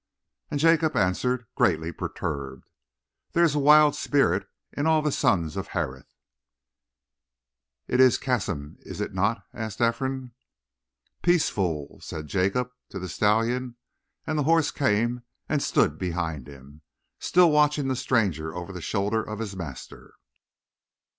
And Jacob answered, greatly perturbed: "There is a wild spirit in all the sons of Harith." "It is Cassim, is it not?" asked Ephraim. "Peace, fool!" said Jacob to the stallion, and the horse came and stood behind him, still watching the stranger over the shoulder of his master.